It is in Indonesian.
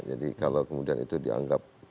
jadi kalau kemudian itu dianggap